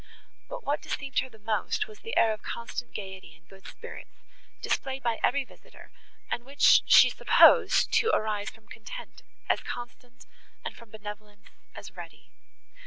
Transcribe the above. But what deceived her most, was the air of constant gaiety and good spirits, displayed by every visitor, and which she supposed to arise from content as constant, and from benevolence as ready.